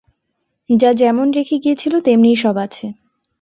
যা যেমন রেখে গিয়েছিল তেমনিই সব আছে।